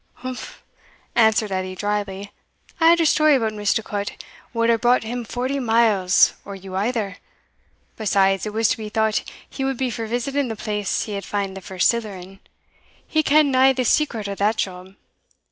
"Umph!" answered Edie drily. "I had a story about Misticot wad hae brought him forty miles, or you either. Besides, it was to be thought he would be for visiting the place he fand the first siller in he ken'd na the secret o' that job.